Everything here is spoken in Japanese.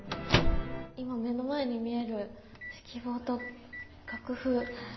今目の前に見える指揮棒と楽譜。